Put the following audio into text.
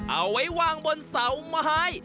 เอาไว้วางบนเสาไม้